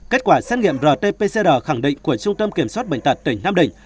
kết quả xét nghiệm rt pcr khẳng định của trung tâm kiểm soát bệnh tật tỉnh nam định